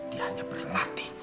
dia hanya berlatih